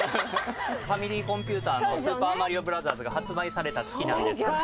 ファミリーコンピュータの『スーパーマリオブラザーズ』が発売された月なんです。